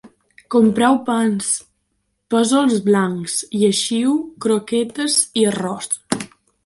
Comprau pans, fesols blancs, lleixiu, croquetes i arròs